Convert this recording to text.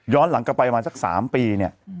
ย้อนหลังกลัวไปมาสัก๓ปีเนี่ย